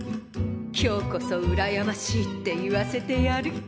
今日こそ「うらやましい」って言わせてやる。